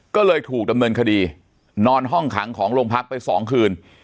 ก็เลยถูกดำเนินคดีนอนห้องขังของโรงพักไป๒คืน